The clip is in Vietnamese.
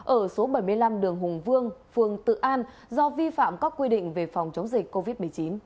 ở số bảy mươi năm đường hùng vương phường tự an do vi phạm các quy định về phòng chống dịch covid một mươi chín